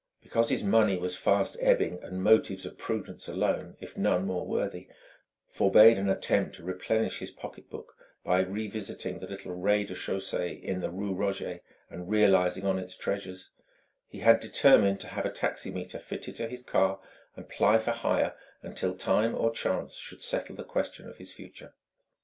Because his money was fast ebbing and motives of prudence alone if none more worthy forbade an attempt to replenish his pocketbook by revisiting the little rez de chaussée in the rue Roget and realizing on its treasures, he had determined to have a taximeter fitted to his car and ply for hire until time or chance should settle the question of his future.